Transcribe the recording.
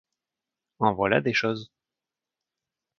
En voilà des choses!